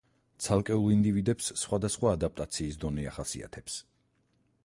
ცალკეულ ინდივიდებს სხვადასხვა ადაპტაციის დონე ახასიათებს.